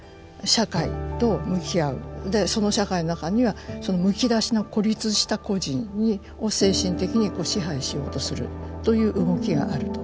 でその社会の中にはそのむき出しの孤立した個人を精神的に支配しようとするという動きがあると。